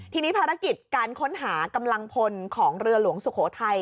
ทีนี้ภารกิจการค้นหากำลังพลของเรือหลวงสุโขทัย